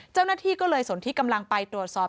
เจ้าหน้าที่ก็เลยสนที่กำลังไปตรวจสอบ